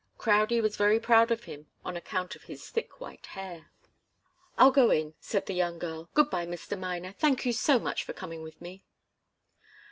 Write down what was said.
Crowdie was very proud of him on account of his thick white hair. "I'll go in," said the young girl. "Good bye, Mr. Miner thank you so much for coming with me."